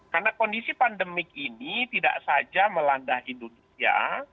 karena kondisi pandemik ini tidak saja melandah indonesia